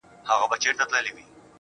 د خپل اختیار کړۍ هم پراخولای شي